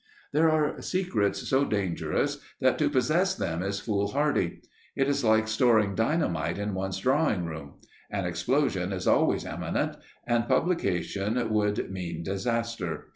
There are secrets so dangerous that to possess them is foolhardy. It is like storing dynamite in one's drawing room; an explosion is always imminent, and publication would mean disaster.